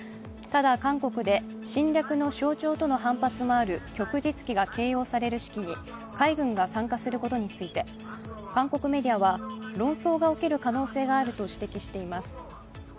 ただ、韓国で侵略の象徴との反発もある旭日旗が掲揚される式に海軍が参加することについて韓国メディアは論争が起きる可能性があると指摘しています。